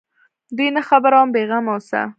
دوى نه خبروم بې غمه اوسه.